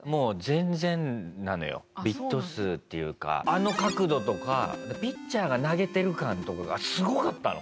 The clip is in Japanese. あの角度とかピッチャーが投げてる感とかがすごかったの！